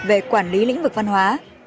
về quản lý lĩnh vực văn hóa